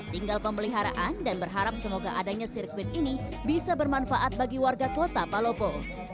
tinggal pemeliharaan dan berharap semoga adanya sirkuit ini bisa bermanfaat bagi warga kota palopo